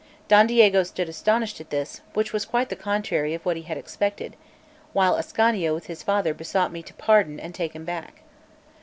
Don Diego stood astonished at this, which was quite the contrary of what he had expected; while Ascanio with his father besought me to pardon and take him back.